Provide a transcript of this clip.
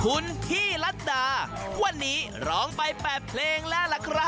คุณพี่ลัดดาวันนี้ร้องไปแปบเพลงแลแหละ